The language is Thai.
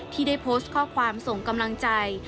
ที่ได้โพสต์ข้อความส่งกำลังใจ